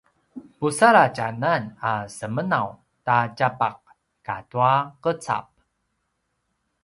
pusaladj anan a semenaw ta tjapaq ata qecap